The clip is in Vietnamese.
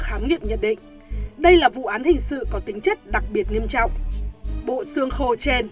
khám nghiệm nhận định đây là vụ án hình sự có tính chất đặc biệt nghiêm trọng bộ xương khô trên